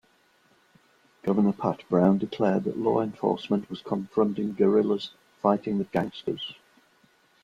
Governor Pat Brown declared that law enforcement was confronting "guerillas fighting with gangsters".